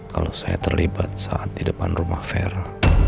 kalau saya terlibat saat di depan rumah vera